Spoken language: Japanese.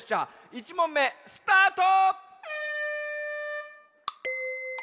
１もんめスタート！